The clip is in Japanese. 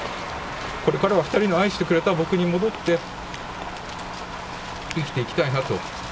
これからは２人の愛してくれた僕に戻って生きていきたいなと。